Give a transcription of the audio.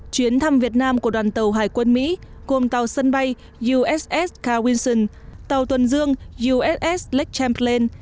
chuyến thăm việt nam của đoàn tàu hải quân mỹ gồm tàu sân bay uss carl vinson tàu tuần dương uss lake champlain